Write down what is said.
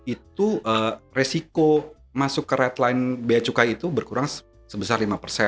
itu resiko masuk ke redline biaya cukai itu berkurang sebesar lima persen